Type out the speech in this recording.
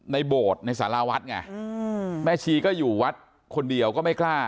โบสถ์ในสาราวัดไงแม่ชีก็อยู่วัดคนเดียวก็ไม่กล้า